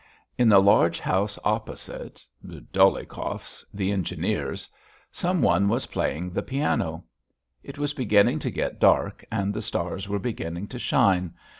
In a large house opposite, Dolyhikov's, the engineer's, some one was playing the piano. It was beginning to get dark and the stars were beginning to shine.